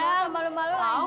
ya malu malu lagi